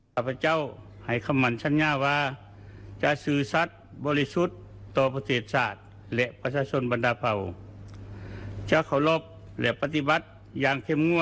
และกฎหมายของสันติภาพบาลลาว